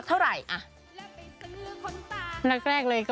สวัสดีค่ะสวัสดีค่ะ